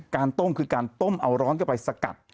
ต้มคือการต้มเอาร้อนเข้าไปสกัด